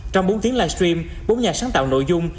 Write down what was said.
trong bốn tiếng live stream bốn nhà sáng tạo nội dung